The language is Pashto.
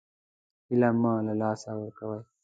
هیله مه له لاسه ورکوئ